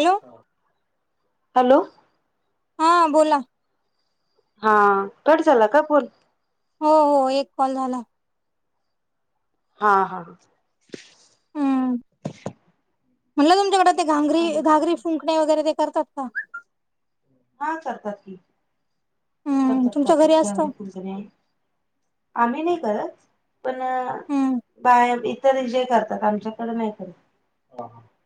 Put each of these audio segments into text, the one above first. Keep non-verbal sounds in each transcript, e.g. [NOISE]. Hello hello.... हा.... बोला. हा... कट झाला का फोन? हो... हो.... एक कॉल झाला. हा... हा... हू.... म्हटलं तुमच्याकडे ते घांगरी.. आणि घागरी.. फूंकणे, वगैरे ते करतात का? हा.. करतात की, हम्म करतात तुमच्या करतात. घरी असत गवर [INAUDIBLE] फू गण्या फू आम्ही नाही करत. पण हम्म बाया तरी जय करतात. आमच्याकडे नाही करत.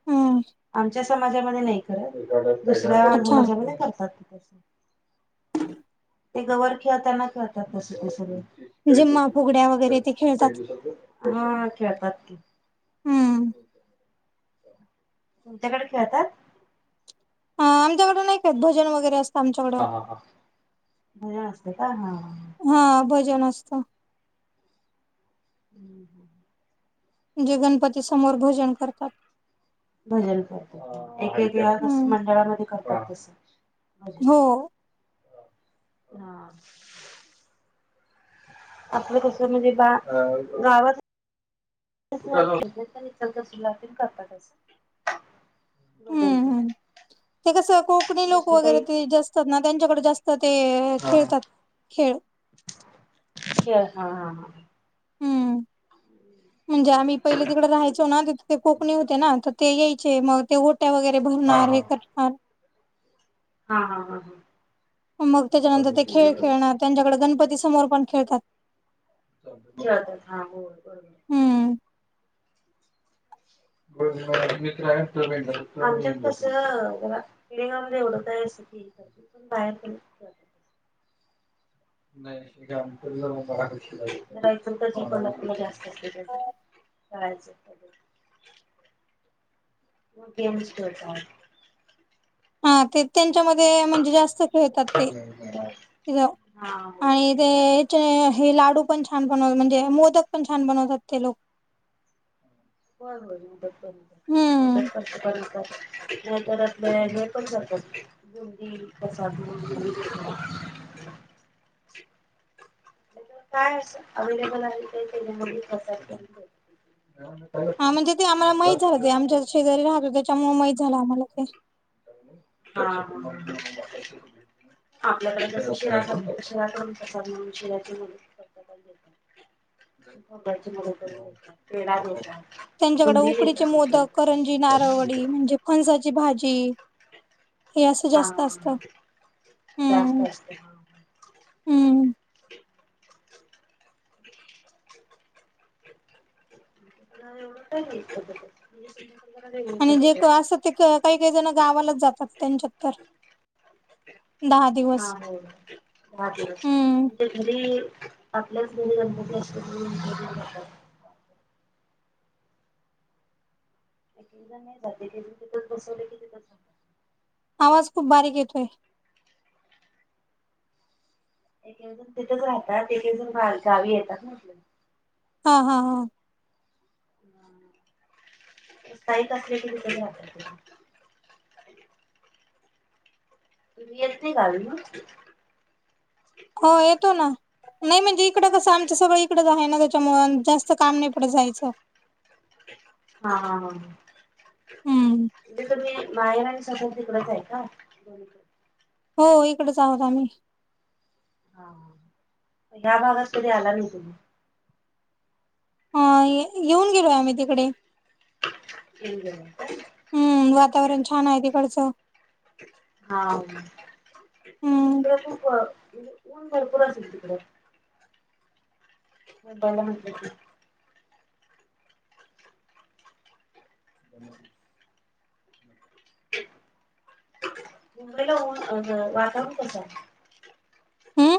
हूं.... आमच्या समाजामध्ये नाही करत. दुसऱ्या अच्छा समाजामध्ये करतात. ते, गवर खेळताना खेळतात [INAUDIBLE] तसं ते जिम्मा फुगड्या सगळे वगैरे ते खेळतात [INAUDIBLE] हा खेळतात की, हूं... तुमच्याकडे खेळतात? हा, आमच्याकडे नाही. खेळत भजन वगैरे असतं. हा.. आमच्याकडं हा.. हा.. भजन असतंय का. हा हा... भजन असतं. [UNINTELLIGIBLE] म्हणजे, गणपती समोर भजन करतात. भजन करतात. एकेक.. ह्या हम्म मंडळामध्ये करतात. तसं हो.... हा.... आपलं कस म्हणजे? बा गावात [UNINTELLIGIBLE] करतातच भजन... हम्म हम्म ते कसं, कोकणी लोक दुसरं काही वगैरे ते जास्त असतात. ना त्यांच्याकडे जास्त ते खेळतात. खेळ खेळ.. हा... हा... हा... हम्म म्हणजे आम्ही पहिले तिकडे राहायचो ना तिथे ते कोकणी होते ना तर ते यायचे मग ते ओट्या वगैरे भरणार हे करणार. हा हा हा हा मग हा हा त्याच्यानंतर ते खेळ खेळणार त्यांच्याकडे गणपती समोर पण खेळतात. हा ब ब हम्म म्र पिळामध्ये एवढं का बाहेर. जरा इचलकरंजी-कोल्हापूरला जास्त असतयं. कायमचं असलं तर मग तेव्हढीच करतात. हा ते त्यांच्यामध्ये म्हणजे जास्त खेळतात ते तिथं हा होय आणि ते याचे हे लाडू पण छान बनव म्हणजे मोदक पण छान बनवतात ते लोक. हो हो. हम्म तोपर्यंत नंतर आपलं हे पण जात. गडी तरसा. काय अवेलेबल आहे ते त्याच्यामध्येस के. हा म्हणजे ते आम्हाला माहीत झालं ते आमच्या शेजारी राहत त्याच्यामुळे महीत झालं आम्हाला ते. हा. आपल्यापर्यंत कशी रा रा मिळतात. त्यांच्याकडे उकडीचे मोदक करंजी नारळवडी म्हणजे फणसाची भाजी. हे असं हा जास्त असत जास्त हम्म असते हा हम्म. एवढं काय नाही पद्धत म्हणजे सिंधुदुर्गला वेगळी आणि पद्धत जे आहे. असत ते काही काही जण गावालाच जातात त्यांच्यात तर. दहा हा दिवस हो. ण हम्म आपल्याच म्ह गणपती असत. एकदा नाही जाते तिथच बसवले कि तिथ. आवाज खूप बारीक येतोय. एकेण तिथेच राहतात एकेण गावी येतात ना आपल्या. हा हा हा. हित असले क त रा रअत गल ना. हो येतो ना नाही म्हणजे इकडं कसं आमचं सगळं इकडंच आहे ना. च्यामुळे जास्त काम नाहीपडत जायचं. हा हम्म म्हणजे तुम्ही माहेर तिकडच आहे का? हो इकडच आहोत आम्ही. हा या्या भागात कधी आला नाही तुम्ही? ह येऊन गेलोय आम्ही तिकडे. हम्. हम्म वातावरण छान आहे तिकडचं. हा हम्म तिकडे खूप ऊन भरपूर असेल तिकडे. म ब हो. मुंबईला ऊन वातावरण कसं आहे. हम्म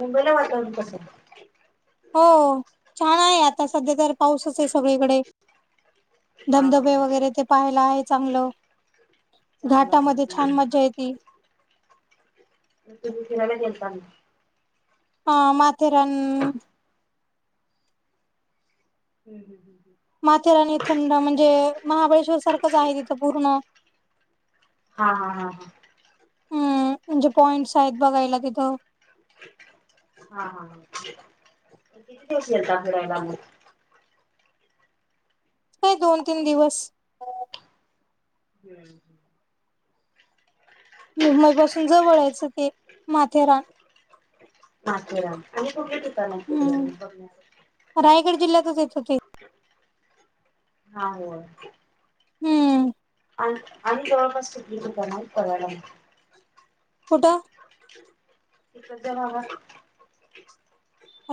मुंबईला वातावरण कस हो छान आहे आता सध्या तर पाऊसच आहे सगळीकडे. आहे? हा धबधबे वगैरे ते पाहायला आहे चांगलं चांगला घाटामध्ये छान आहे मज्जा येते त स दि स [UNINTELLIGIBLE] [UNINTELLIGIBLE] हा हम्म माथेरान हम् हम हम हम [UNINTELLIGIBLE] माथेरानी थंड म्हणजे महाबळेश्वर सारखंच आहे तिथं पूर्ण हा हा हा हा हम् म्हणजे पॉइंट्स आहेत बघायला तिथं हा हा किती दिवस गेलता फिरायला मग नाही दोन तीन दिवस हम्म मुंबई पासून जवळ ते माथेरान माथेरान आणि कुठले ठिकाण आहे तिकडे हम्म बघण्यासाठि रायगड जिल्ह्यातच येत हो ते हा हम्म आणि आणि जवळपास कणार कळयला. कुठं क दे नावा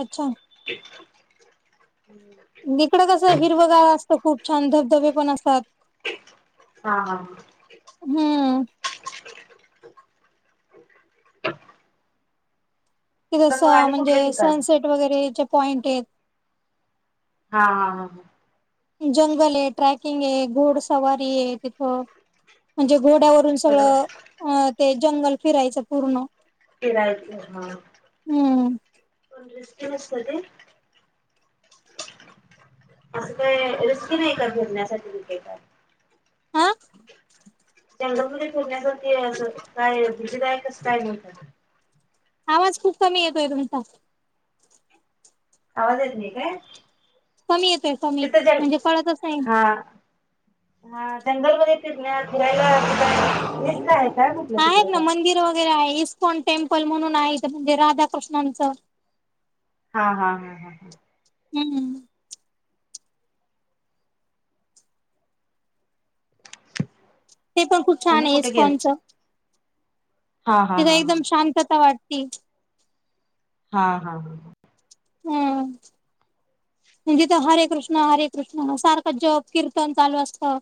अच्छा [UNINTELLIGIBLE] इकडं कसं हिरवगाळ असतं खूप छान धबधबे पण असतात. हा हा ह हम्म अ क जसं म्हणजे ठिकाण? सनसेट वगैरे जे पॉईंट आहेत. हा हा हा जंगल आहे ट्रॅकिंग आहे घोड सवारी आहे तिथ म्हणजे घोड्यावर. सगळं ते जंगल फिरायचं पूर्ण. तेलाय हा हम्म पण रिस्ट नसत ते. असं काय रस्की नाही का फिरण्यासाठी विके का. हा चडंगरी फेडण्यासाठी अस काय भुतीदायकच काय नाहीत. आवाज खूप कमी येतोय तुमचा. आवाज ऐत नाही काय. कमी येतय कमी तिथं जंग म्हणजे कळतच नाही. हा हा जंगल म ति फिरायला दिसतय. आहेत ना मंदिर वगैरे आहे इस्कॉन टेम्पल म्हणून आहेत म्हणजे राधाकृष्णांचं. हा हा ह हा हा हम्म [UNINTELLIGIBLE] ते पण खूप छान आणि आहे कुठे गेल इस्कॉनचं. हा हा तिथ हा हा एकदम शांतता वाटती. हा हा हा, हम्म, म्हणजेथ हरे कृष्ण हरे कृष्ण सारखं जप किर्तन चालू असतं.